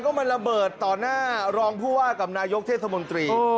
ก็มันระเบิดต่อหน้ารองผู้ว่ากับนายกเทศมนตรี